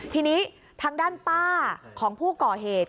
ทีนี้ทางด้านป้าของผู้ก่อเหตุ